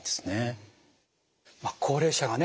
高齢者がね